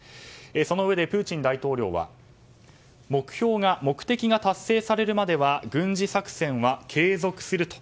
そのうえでプーチン大統領は目的が達成されるまでは軍事作戦は継続すると。